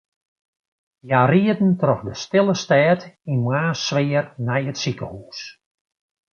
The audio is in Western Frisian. Hja rieden troch de stille stêd yn moarnssfear nei it sikehús.